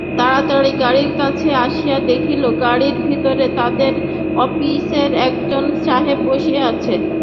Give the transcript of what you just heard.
তাড়াতাড়ি গাড়ির কাছে আসিয়া দেখিল, গাড়ির ভিতরে তাহাদের আপিসের একজন সাহেব বসিয়া আছে।